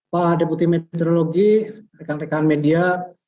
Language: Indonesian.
pak deputi meteorologi rekan rekan media